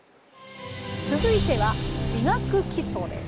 続いては「地学基礎」です。